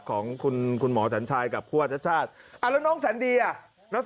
ของคุณหมอสัญชายกับคุณชัชช่าอ้าวแล้วน้องแสนดีอ่ะ